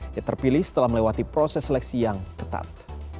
dia terpilih setelah melewati proses seleksi yang ketat